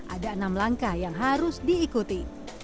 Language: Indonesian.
ada enam langkah yang harus diikuti